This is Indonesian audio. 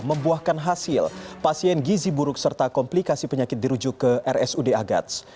membuahkan hasil pasien gizi buruk serta komplikasi penyakit dirujuk ke rsud agats